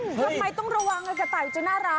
ทำไมต้องระวังกระต่ายจะน่ารัก